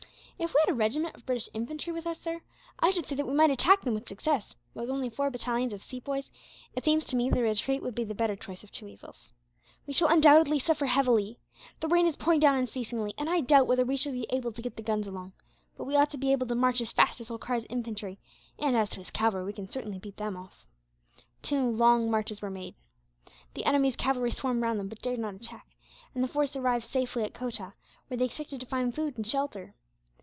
"If we had a regiment of British infantry with us, sir, I should say that we might attack them, with success; but with only four battalions of Sepoys, it seems to me that a retreat would be the better choice of two evils. We shall undoubtedly suffer heavily. The rain is pouring down unceasingly, and I doubt whether we shall be able to get the guns along; but we ought to be able to march as fast as Holkar's infantry and, as to his cavalry, we can certainly beat them off." Two long marches were made. The enemy's cavalry swarmed round them, but dared not attack; and the force arrived safely at Kotah, where they expected to find food and shelter.